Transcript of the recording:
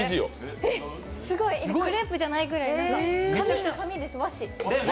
えっ、すごいクレープじゃないぐらい、紙です、和紙。